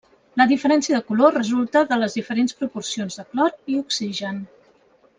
La diferència de color resulta de les diferents proporcions de clor i oxigen.